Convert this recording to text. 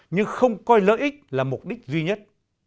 nhưng không coi lợi ích là mục đích duy nhất